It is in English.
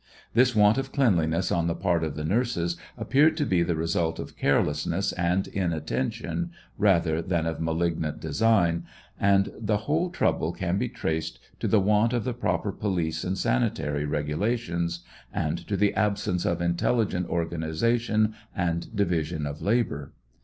This want of cleanliness on the part of the nurses appeared to be the result of carelessness and inattention, rather than of malignant design, and the whole trouble can be traced to the want of the proper police and sanitary regu lations, and to the absence of intelligent organization and division of labor.